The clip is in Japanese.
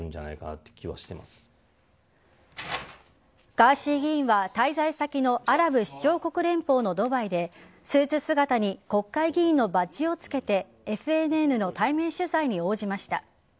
ガーシー議員は滞在先のアラブ首長国連邦のドバイでスーツ姿に国会議員のバッジをつけてＦＮＮの対面取材に応じました。